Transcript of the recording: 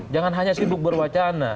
jangan hanya sibuk berwacana